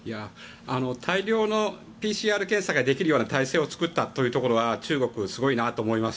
大量のＰＣＲ検査ができるような体制を作ったというところは中国はすごいなと思います。